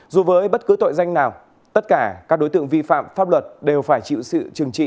dù với bất cứ tội danh nào tất cả các đối tượng vi phạm pháp luật đều phải chịu sự trừng trị